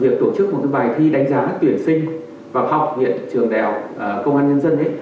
việc tổ chức một cái bài thi đánh giá tuyển sinh vào học hiện trường đèo công an nhân dân